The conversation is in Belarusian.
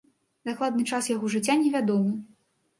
Дакладны час яго жыцця не вядомы.